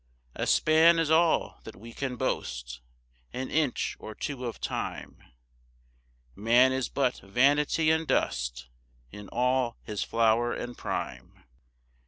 2 A span is all that we can boast, An inch or two of time; Man is but vanity and dust In all his flower and prime.